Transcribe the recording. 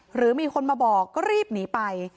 หรือมีคนมาบอกก็รีบหนีไป